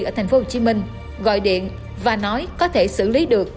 ở tp hcm gọi điện và nói có thể xử lý được